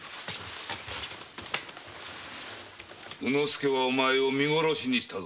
宇之助はお前を見殺しにした。